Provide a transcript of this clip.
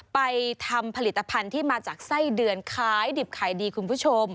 ไปทำผลิตภัณฑ์ที่มาจากไส้เดือนขายดิบขายดีคุณผู้ชม